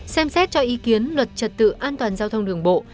xem xét cho ý kiến luật trật tự an toàn giao thông đường bộ